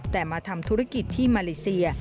แต่มาทำธุรกิจที่มาเลเซีย